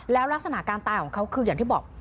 แล้วลักษณะการตายของเขาคืออย่างที่บอก